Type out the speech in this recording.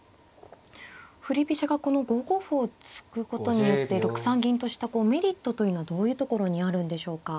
振り飛車がこの５五歩を突くことによって６三銀としたメリットというのはどういうところにあるんでしょうか。